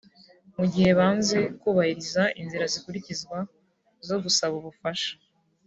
mu gihe banze kubahiriza inzira zikurikizwa zo gusaba ubufasha